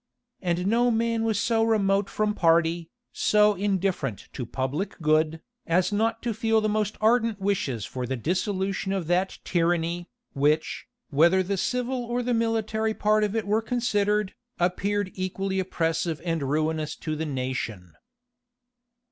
And no man was so remote from party, so indifferent to public good, as not to feel the most ardent wishes for the dissolution of that tyranny, which, whether the civil or the military part of it were considered, appeared equally oppressive and ruinous to the nation.